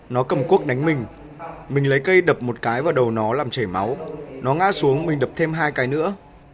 nó cầm cuốc đánh mình mình lấy cây đập một cái vào đầu nó làm chảy máu nó ngã xuống mình đập thêm hai cái nữa